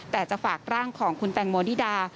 แต่จะฝากร่างของคุณแตงโมนิดา